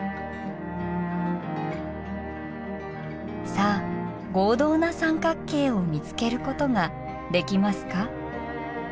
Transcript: さあ合同な三角形を見つけることができますか？